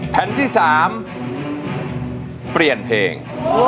แผ่นที่๓เปลี่ยนเพลง